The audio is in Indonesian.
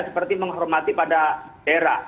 seperti menghormati pada daerah